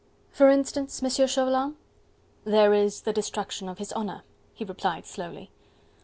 "For instance, Monsieur Chauvelin?" "There is the destruction of his honour," he replied slowly.